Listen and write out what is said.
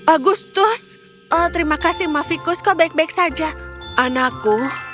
agustus terima kasih mafikus kau baik baik saja anakku